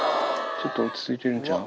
ちょっと落ち着いてるんちゃう。